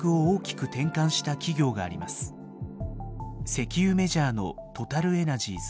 石油メジャーのトタル・エナジーズ。